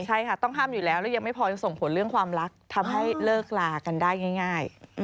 ใช่ค่ะต้องห้ามอยู่แล้วแล้วยังไม่พอจะส่งผลเรื่องความรักทำให้เลิกลากันได้ง่าย